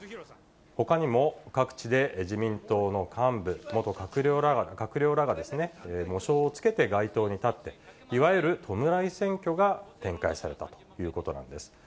ほかにも各地で自民党の幹部、元閣僚らが喪章をつけて街頭に立って、いわゆる弔い選挙が展開されたということなんです。